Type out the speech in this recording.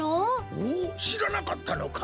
うん？しらなかったのか。